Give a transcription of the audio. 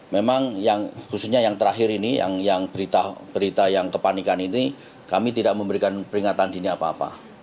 memang yang khususnya yang terakhir ini yang berita berita yang kepanikan ini kami tidak memberikan peringatan dini apa apa